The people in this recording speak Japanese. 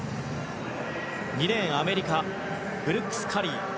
２レーン、アメリカブルックス・カリー。